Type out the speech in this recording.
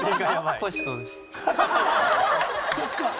そっか。